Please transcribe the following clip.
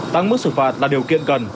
tăng mức xử phạt là điều kiện cần